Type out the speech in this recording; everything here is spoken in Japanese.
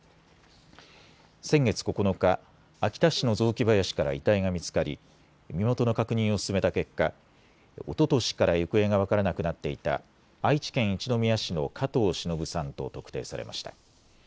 先月９日、秋田市の雑木林から遺体が見つかり身元の確認を進めた結果、おととしから行方が分からなくなっていた愛知県一宮市の加藤しのぶさんと特定されました。